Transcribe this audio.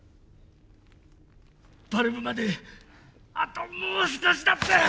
バルブまであともう少しだった！